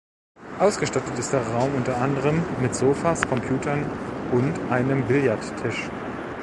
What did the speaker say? Ausgestattet ist der Raum unter anderem mit Sofas, Computern und einem Billardtisch.